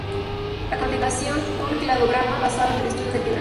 A continuación un cladograma basado en el estudio de Kellner "et al.